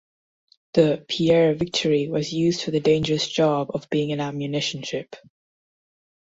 The "Pierre Victory" was used for the dangerous job of being an ammunition ship.